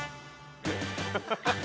ハハハハ！